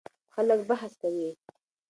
خلک بحث کوي.